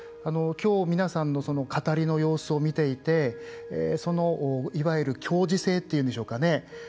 きょう皆さんの語りの様子を見ていていわゆる共時性というんでしょうかね